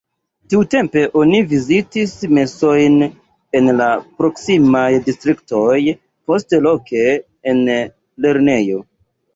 Tiutempe oni vizitis mesojn en la proksimaj distriktoj, poste loke en lernejo.